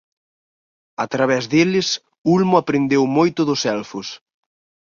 A través deles Ulmo aprendeu moito dos Elfos.